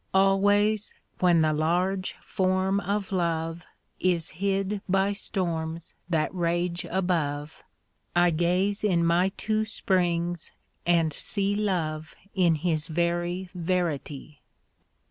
Always when the large Form of Love Is hid by storms that rage above, I gaze in my two springs and see Love in his very verity.